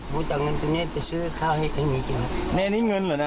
ไปหุ้มข้าวให้เมียกิน